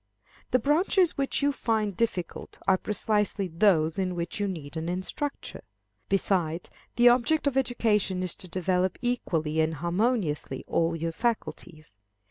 The branches which you find difficult, are precisely those in which you need an instructor. Besides, the object of education is to develop equally and harmoniously all your faculties.